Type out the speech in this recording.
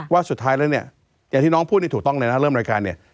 ว่าสุดท้ายแล้วเนี่ยอย่างที่น้องพูดนี่ถูกต้องเลยนะเริ่มรายการเนี่ย